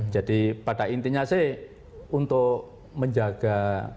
jadi pada intinya untuk menjaga